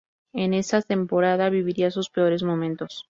En esa temporada viviría sus peores momentos.